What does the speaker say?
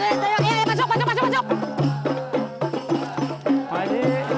ya eh silahkan